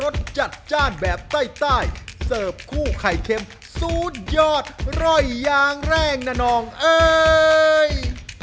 มันรึบร้อนทั้งหลังเลยเนี่ย